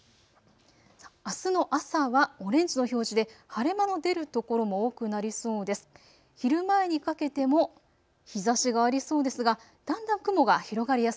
あすの朝はオレンジの表示で晴れ間の出る所も多くなりそうです。